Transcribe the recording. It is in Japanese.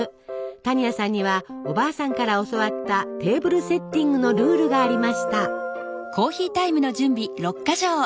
多仁亜さんにはおばあさんから教わったテーブルセッティングのルールがありました。